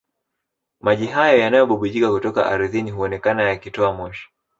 Maji hayo yanayobubujika kutoka ardhini huonekana yakitoa moshi